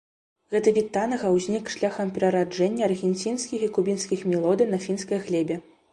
Гэты від танга ўзнік шляхам перараджэння аргенцінскіх і кубінскіх мелодый на фінскай глебе.